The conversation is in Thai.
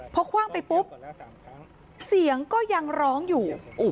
พอคว่างไปปุ๊บเสียงก็ยังร้องอยู่